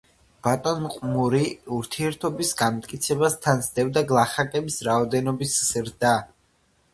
ბატონყმური ურთიერთობის განმტკიცებას თან სდევდა გლახაკების რაოდენობის ზრდაც.